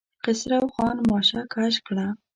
خسرو خان ماشه کش کړه.